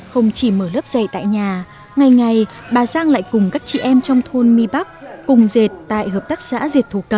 không chỉ mở lớp dạy tại nhà ngày ngày bà giang lại cùng các chị em trong thôn my bắc cùng dệt tại hợp tác xã dệt thổ cầm